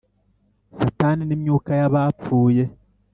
Satanin’ Imyuka y Abapfuye